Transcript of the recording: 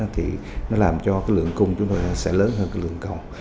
thì nó làm cho lượng cung chúng tôi sẽ lớn hơn lượng cầu